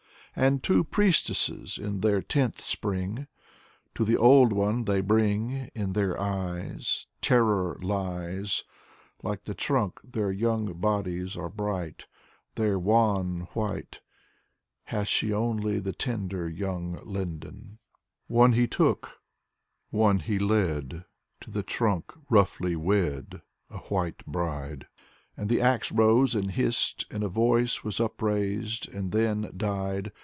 And two priestesses in their tenth Spring To the old one they bring. In their eyes Terror lies. Like the trunk their young bodies are bright, Their wan white Hath she only, the tender young linden. ^The Russian Dionysos. 148 Sergey Gorodetzky One he took, one he led, To the trunk roughly wed, A white bride. And the ax rose and hissed — And a voice was upraised And then died.